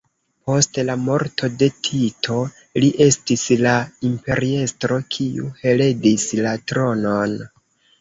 Post la morto de Tito li estis la imperiestro kiu heredis la tronon.